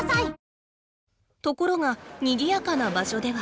ところがにぎやかな場所では。